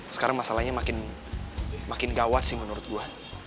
sekarang masalahnya makin gawat sih menurut gue